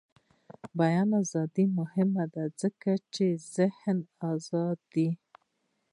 د بیان ازادي مهمه ده ځکه چې د ذهن ازادي ده.